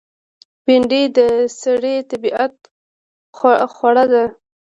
بېنډۍ د سړي طبیعت خوړه ده